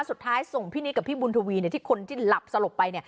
สุดท้ายส่งพี่นิดกับพี่บุญทวีที่คนที่หลับสลบไป